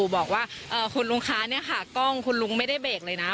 บอกว่าคุณลุงคะเนี่ยค่ะกล้องคุณลุงไม่ได้เบรกเลยนะ